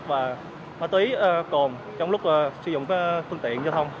và ma túy cồn trong lúc sử dụng các phương tiện giao thông